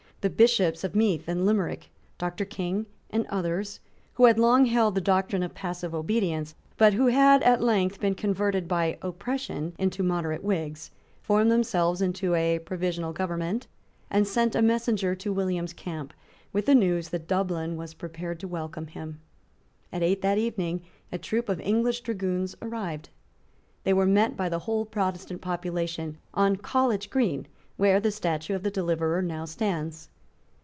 The Bishops of Meath and Limerick, Doctor King, and others, who had long held the doctrine of passive obedience, but who had at length been converted by oppression into moderate Whigs, formed themselves into a provisional government, and sent a messenger to William's camp, with the news that Dublin was prepared to welcome him. At eight that evening a troop of English dragoons arrived. They were met by the whole Protestant population on College Green, where the statue of the deliverer now stands.